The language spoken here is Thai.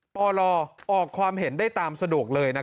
ปลออกความเห็นได้ตามสะดวกเลย